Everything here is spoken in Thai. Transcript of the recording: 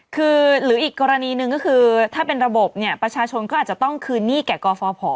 คือหรืออีกกรณีหนึ่งก็คือถ้าเป็นระบบเนี่ยประชาชนก็อาจจะต้องคืนหนี้แก่กฟภ